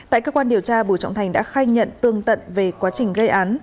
tại cơ quan điều tra bùi trọng thành đã khai nhận tương tận về quá trình gây án